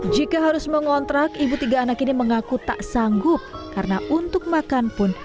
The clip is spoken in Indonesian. jika harus mengontrak ibu tiga anak ini mengaku tak sanggup karena untuk makan pun